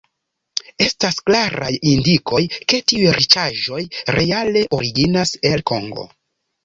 Estas klaraj indikoj, ke tiuj riĉaĵoj reale originas el Kongo.